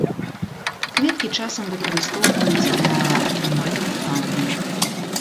Кветкі часам выкарыстоўваюць для атрымання фарбы.